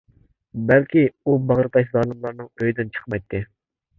بەلكى ئۇ باغرى تاش زالىملارنىڭ ئۆيىدىن چىقمايتتى.